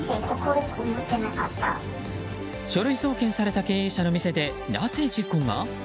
書類送検された経営者の店でなぜ事故が？